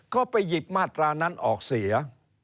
ก็ไปหยิบมาตรานั้นออกเสีย